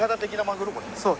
そう。